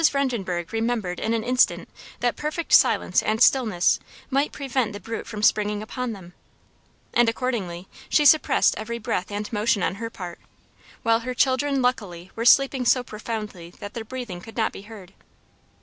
Vredenbergh remembered in an instant that perfect silence and stillness might prevent the brute from springing upon them; and accordingly she suppressed every breath and motion on her own part, while her children luckily were sleeping so profoundly that their breathing could not be heard.